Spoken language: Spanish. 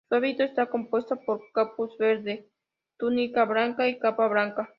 Su hábito está compuesto por capuz verde, túnica blanca y capa blanca.